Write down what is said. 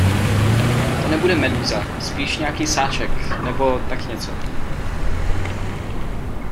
To nebude medúza, spíš nějakej sáček, nebo tak něco.